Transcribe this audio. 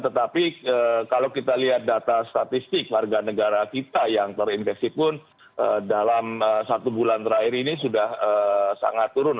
tetapi kalau kita lihat data statistik warga negara kita yang terinfeksi pun dalam satu bulan terakhir ini sudah sangat turun